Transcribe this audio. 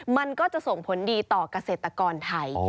มันก็จะส่งผลดีต่อเกษตรกรไทย